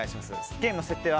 ゲームの設定は